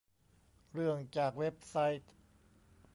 เรื่องจากเว็บไซต์